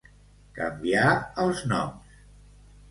Canviar els noms.